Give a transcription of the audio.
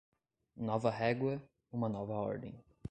Nova régua, uma nova ordem.